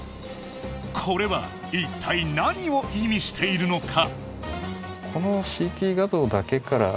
これは一体何を意味しているのか？